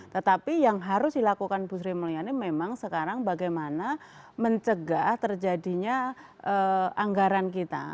tetapi yang harus dilakukan bu sri mulyani memang sekarang bagaimana mencegah terjadinya anggaran kita